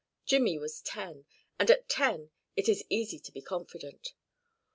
Jimmy was ten, and at ten it is easy to be confident.